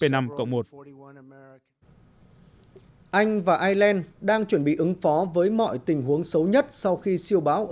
anh và ireland đang chuẩn bị ứng phó với mọi tình huống xấu nhất sau khi siêu báo ophelia